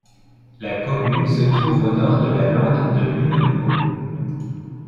La commune se trouve au nord de la lande de Lunebourg.